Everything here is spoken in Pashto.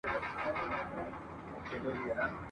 عدالت خو به اوس دلته چلېدلای !.